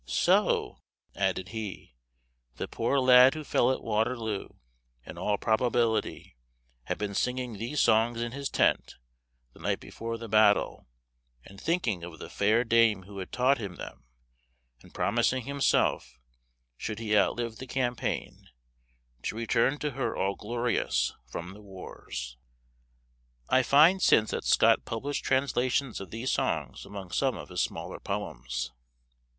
"So," added he, "the poor lad who fell at Waterloo, in all probability, had been singing these songs in his tent the night before the battle, and thinking of the fair dame who had taught him them, and promising himself, should he outlive the campaign, to return to her all glorious from the wars." I find since that Scott published translations of these songs among some of his smaller poems.